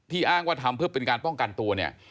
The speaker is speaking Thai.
อ้างว่าทำเพื่อเป็นการป้องกันตัวเนี่ย